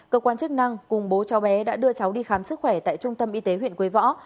cơ quan chức năng cùng bố cháu bé đã đưa cháu đi khám sức khỏe tại trung tâm y tế huyện quế võ